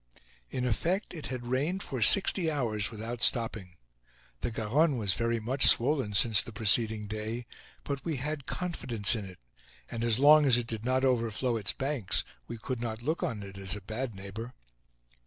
In effect, it had rained for sixty hours without stopping. The Garonne was very much swollen since the preceding day, but we had confidence in it, and, as long as it did not overflow its banks, we could not look on it as a bad neighbor.